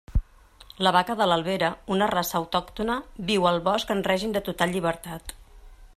La vaca de l'Albera, una raça autòctona, viu al bosc en règim de total llibertat.